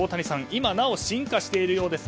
今なお進化しているようです。